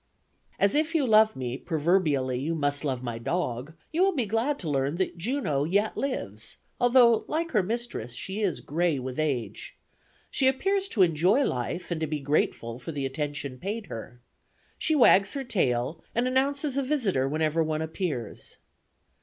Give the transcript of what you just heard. "As if you love me, proverbially, you must love my dog, you will be glad to learn that Juno yet lives, although like her mistress she is gray with age. She appears to enjoy life and to be grateful for the attention paid her. She wags her tail and announces a visitor whenever one appears.